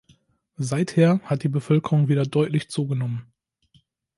Seither hat die Bevölkerung wieder deutlich zugenommen.